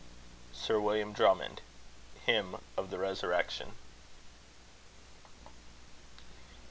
SIR WILLIAM DRUMMOND. Hymn of the Resurrection.